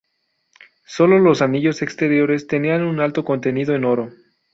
Sólo los anillos exteriores tenían un alto contenido en oro.